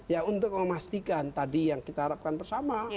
ya untuk memastikan tadi yang kita harapkan bersama